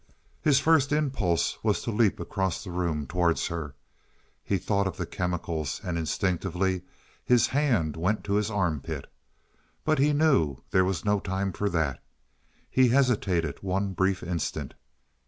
His first impulse was to leap across the room towards her. He thought of the chemicals and instinctively his hand went to his armpit. But he knew there was no time for that. He hesitated one brief instant.